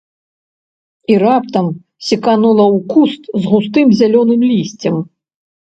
І раптам секанула ў куст з густым зялёным лісцем.